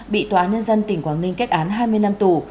bị tòa án nhân dân tỉnh quảng ninh kết án hai mươi năm tù